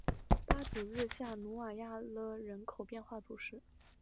巴祖日下努瓦亚勒人口变化图示